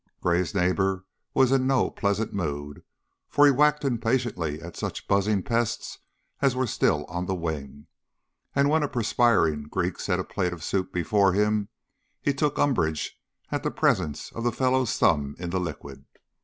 Gray's neighbor was in no pleasant mood, for he whacked impatiently at such buzzing pests as were still on the wing, and when a perspiring Greek set a plate of soup before him he took umbrage at the presence of the fellow's thumb in the liquid.